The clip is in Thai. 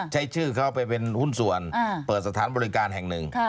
ใช้ชื่อเขาไปเป็นหุ้นส่วนเปิดสถานบริการแห่งหนึ่ง